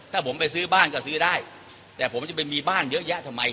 ถ้าผมไปซื้อบ้านก็ซื้อได้แต่ผมจะไปมีบ้านเยอะแยะทำไม